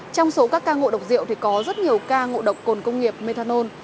trong số các ca ngộ độc rượu thì có rất nhiều ca ngộ độc cồn công nghiệp methanol